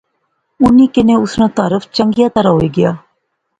انیں کنے اس ناں تعارف چنگیا طرح ہوئی گیا